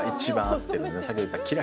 さっき言った。